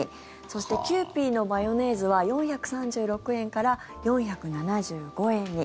そしてキユーピーのマヨネーズは４３６円から４７５円に。